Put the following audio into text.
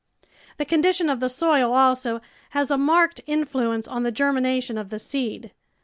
The condition of the soil, also, has a marked in fluence on the germination of the seed.